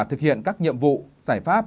thực hiện các nhiệm vụ giải pháp